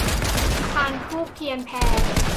พานธูปเทียนแพ